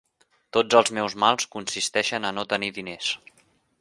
Tots els meus mals consisteixen a no tenir diners.